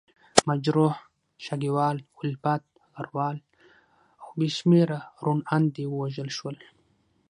مجروح، شګیوال، الفت، غروال او بې شمېره روڼاندي ووژل شول.